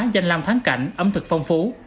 danh lam tháng cảnh ấm thực phong phú